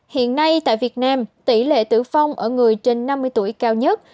hiện nay tại việt nam tỷ lệ tử vong ở người trên năm mươi tuổi cao nhất